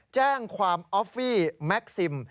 แจ้งความออฟฟี่แม็กซิม